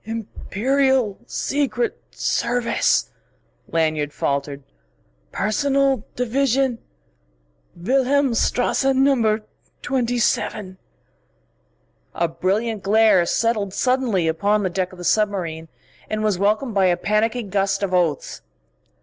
"Imperial Secret Service," Lanyard faltered "Personal Division Wilhelmstrasse Number 27 " A brilliant glare settled suddenly upon the deck of the submarine, and was welcomed by a panicky gust of oaths.